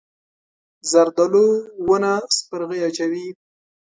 زردالو ونه سپرغۍ اچوي.